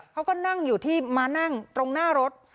เขาก็มานั่งตรงหน้ารถ